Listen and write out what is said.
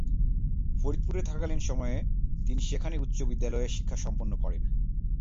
ফরিদপুরে থাকাকালীন সময়ে তিনি সেখানেই উচ্চ বিদ্যালয়ের শিক্ষা সম্পন্ন করেন।